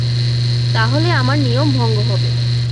তাহলে আমার নিয়ম-ভঙ্গ হবে!